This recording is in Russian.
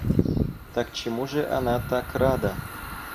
Так чему же она так рада?